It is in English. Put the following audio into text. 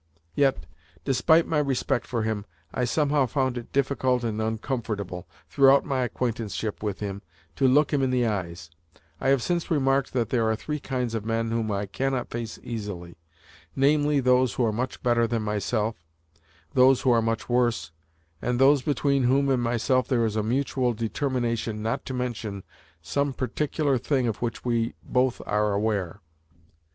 Yet, despite my respect for him, I somehow found it difficult and uncomfortable, throughout my acquaintanceship with him, to look him in the eyes, I have since remarked that there are three kinds of men whom I cannot face easily, namely those who are much better than myself, those who are much worse, and those between whom and myself there is a mutual determination not to mention some particular thing of which we are both aware.